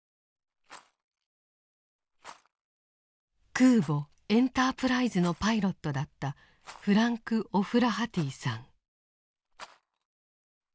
空母「エンタープライズ」のパイロットだったフランク・オフラハティさん。